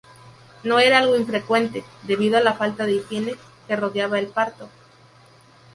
No era algo infrecuente, debido a la falta de higiene que rodeaba el parto.